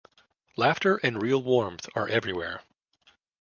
Laughter and real warmth are everywhere.